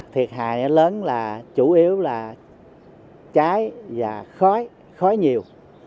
thiệt hại lớn là chủ yếu là trái và khói khói nhiều